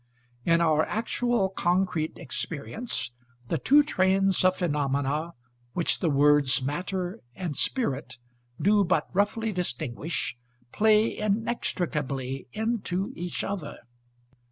In our actual concrete experience, the two trains of phenomena which the words matter and spirit do but roughly distinguish, play inextricably into each other.